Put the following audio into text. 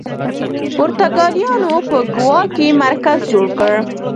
پرتګالیانو په ګوا کې مرکز جوړ کړ.